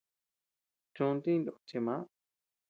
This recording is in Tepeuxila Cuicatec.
Chúnti jiknót chi màà.